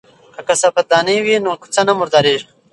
که کثافات دانی وي نو کوڅه نه مرداریږي.